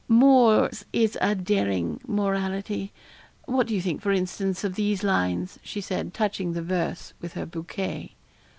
'Moore's is a daring morality what do you think, for instance, of these lines?' she said, touching the verse with her bouquet.